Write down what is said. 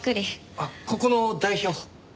あっここの代表。